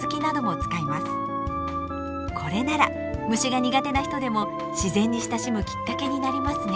これなら虫が苦手な人でも自然に親しむきっかけになりますね。